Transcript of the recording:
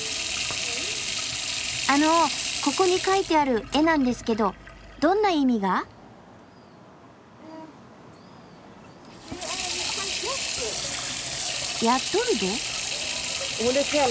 あのここに描いてある絵なんですけどどんな意味が？ヤッドルド？